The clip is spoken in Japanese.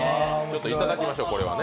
いただきましょう、これはね。